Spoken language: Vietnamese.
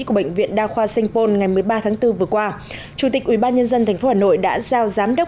của bệnh viện đa khoa sanh pôn ngày một mươi ba tháng bốn vừa qua chủ tịch ubnd tp hà nội đã giao giám đốc